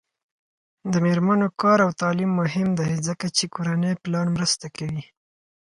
د میرمنو کار او تعلیم مهم دی ځکه چې کورنۍ پلان مرسته کوي.